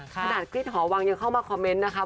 ขนาดคริสหอวังยังเข้ามาคอมเมนต์นะคะ